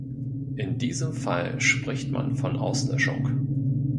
In diesem Fall spricht man von Auslöschung.